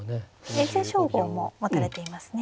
永世称号も持たれていますね。